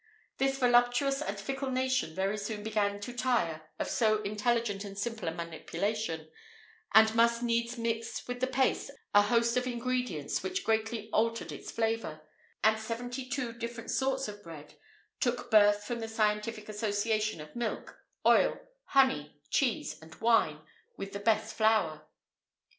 [IV 24] This voluptuous and fickle nation very soon began to tire of so intelligent and simple a manipulation, and must needs mix with the paste a host of ingredients which greatly altered its flavour: and seventy two different sorts of bread[IV 25] took birth from the scientific association of milk, oil, honey, cheese, and wine with the best flour.